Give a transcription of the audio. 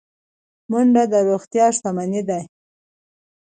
منډه د روغتیا شتمني ده